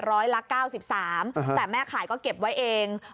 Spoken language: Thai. ร้อยละ๙๓แต่แม่ขายก็เก็บไว้เอง